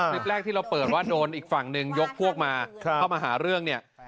คลิปแรกที่เราเปิดว่าโดนอีกฝั่งหนึ่งยกพวกมาเข้ามาหาเรื่องเนี่ย